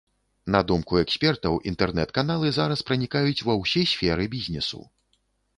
На думку экспертаў, інтэрнэт-каналы зараз пранікаюць ва ўсе сферы бізнесу.